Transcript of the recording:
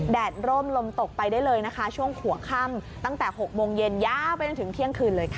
แดดร่มลมตกไปได้เลยนะคะช่วงหัวค่ำตั้งแต่๖โมงเย็นยาวไปจนถึงเที่ยงคืนเลยค่ะ